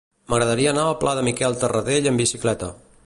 M'agradaria anar al pla de Miquel Tarradell amb bicicleta.